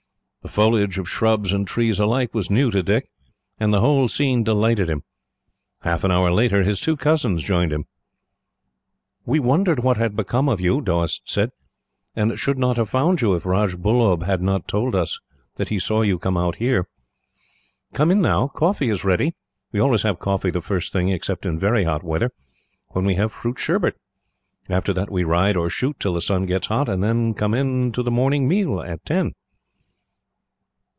The foliage of shrubs and trees alike was new to Dick, and the whole scene delighted him. Half an hour later, his two cousins joined him. "We wondered what had become of you," Doast said, "and should not have found you, if Rajbullub had not told us that he saw you come out here. "Come in, now. Coffee is ready. We always have coffee the first thing, except in very hot weather, when we have fruit sherbet. After that we ride or shoot till the sun gets hot, and then come in to the morning meal, at ten."